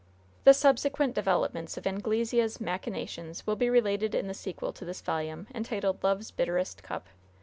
The subsequent developments of Anglesea's machinations will be related in the sequel to this volume, entitled "Love's Bitterest Cup."